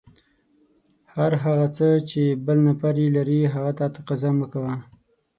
هر هغه څه چې بل نفر یې لري، هغه ته تقاضا مه کوه.